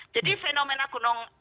jadi fenomena gunung